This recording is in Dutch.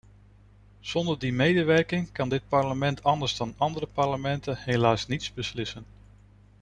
Zonder die medewerking kan dit parlement anders dan andere parlementen helaas niets beslissen.